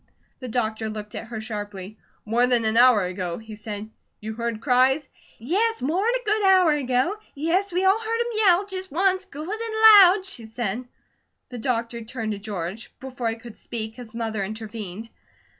The doctor looked at her sharply: "More than an hour ago?" he said. "You heard cries?" "Yes, more'n a good hour ago. Yes, we all heard him yell, jist once, good and loud!" she said. The doctor turned to George. Before he could speak his mother intervened.